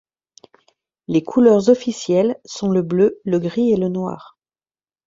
Les couleurs officielles sont le bleu, le gris et le noir.